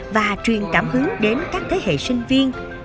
và truyền cảm hứng đến các thế hệ sinh viên